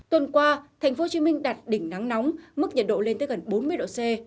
tuần qua tp hcm đặt đỉnh nắng nóng mức nhiệt độ lên tới gần bốn mươi độ c